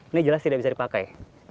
ini jelas tidak bisa dipakai